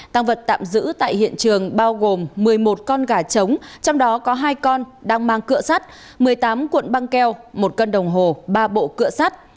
tăng vật tạm giữ tại hiện trường bao gồm một mươi một con gà trống trong đó có hai con đang mang cửa sắt một mươi tám cuộn băng keo một cân đồng hồ ba bộ cựa sắt